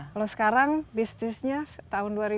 kalau sekarang bisnisnya tahun dua ribu sembilan belas